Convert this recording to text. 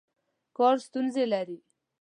کار ستونزې لري.